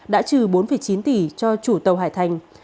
đã trừ bốn chín tỷ cho chủ tàu hải thành